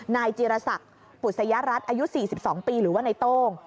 นายจีรศักดิ์ปุศยรัฐอายุ๔๒ปีหรือว่าในโต้ง